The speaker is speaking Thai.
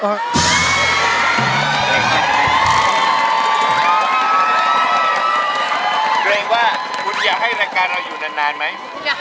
เกรงว่าคุณอยากให้รายการเราอยู่นานไหม